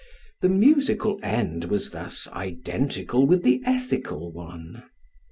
The musical end was thus identical with the ethical one.